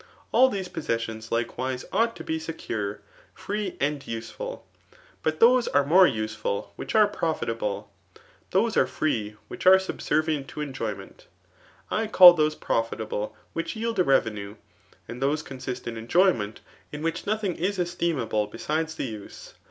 All these possessions, Ukewise^ ought to be secure, free, aad useful. But those sure more useful which are profitable ; those are free which are subservient to enjoyment ; I call those profitable which yield a revenue ; and those con sist in enjoyment, in whidi nothing is esdmahle besides the use.